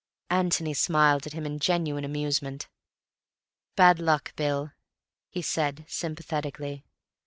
Antony smiled at him in genuine amusement. "Bad luck, Bill," he said sympathetically.